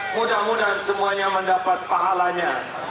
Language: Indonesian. mudah mudahan semuanya mendapat pahalanya